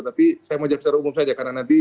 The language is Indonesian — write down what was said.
tapi saya mau jawab secara umum saja karena nanti